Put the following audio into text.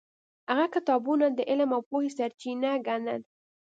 هغه کتابونه د علم او پوهې سرچینه ګڼل.